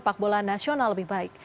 sepak bola nasional lebih baik